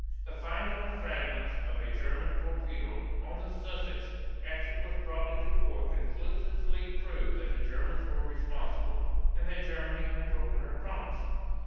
The finding of fragments of a German torpedo on the "Sussex" after it was brought into port conclusively proved that the Germans were responsible, and that Germany had broken her promise.